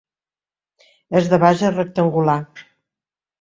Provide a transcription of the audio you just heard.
És de base rectangular.